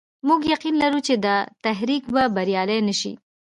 موږ يقين لرو چې دا تحریک به بریالی نه شي.